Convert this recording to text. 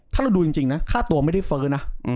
ถ้าเราดูจริงนะค่าตัวไม่ได้เฟ้อนะ